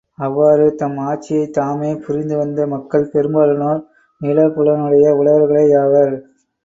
அவ்வாறு தம் ஆட்சியைத்தாமே புரிந்து வந்த மக்கள் பெரும்பாலோர் நிலபுலனுடைய உழவர்களே யாவர்.